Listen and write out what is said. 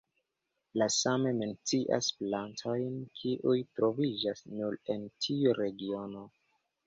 Li same mencias plantojn kiuj troviĝas nur en tiu regiono.